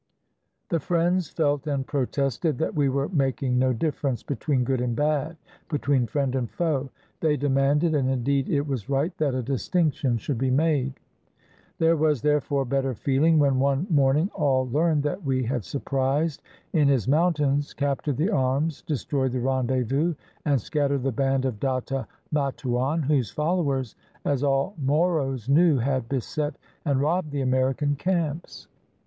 The friends felt and protested that we were making no difference between good and bad, between friend and foe. They demanded, and indeed it was right, that a distinction should be made. There was, therefore, better feeling when one morn ing all learned that we had surprised in his mountains, captured the arms, destroyed the rendezvous, and scat tered the band of Datto Matuan, whose followers, as all Moros knew, had beset and robbed the American camps.